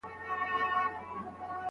څېړونکی د خپلي څېړني لپاره مالي ملاتړ لټوي.